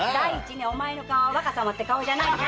お前の顔は「若様」って顔じゃないんだよ。